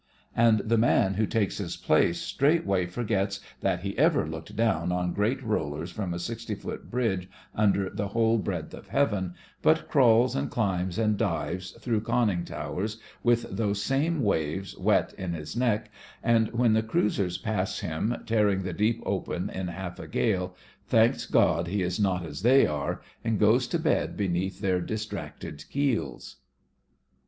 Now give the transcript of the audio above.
And the man who takes his place straightway forgets that he ever looked down on great rollers from a sixty foot bridge under the whole breadth of heaven, but crawls and climbs and dives through conning towers with those same waves wet in his neck, and when the cruisers pass him, tearing the deep open in half a gale, thanks God he is not as they are, and goes to bed beneath their distracted keels.